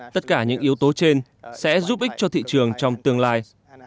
tất cả những yếu tố trên sẽ giúp ích cho thị trường trong tương lai